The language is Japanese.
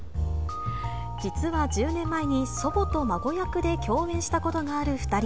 実は１０年前に祖母と孫役で共演したことがある２人。